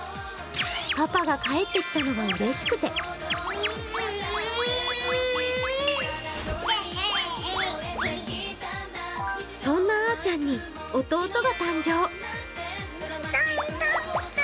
パパが帰ってきたのがうれしくてそんなあーちゃんに弟が誕生。